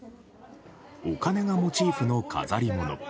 お金がモチーフの飾り物。